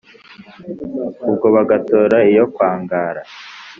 ubwo bagatora iyo kwangara